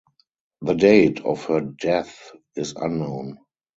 The date of her death is unknown.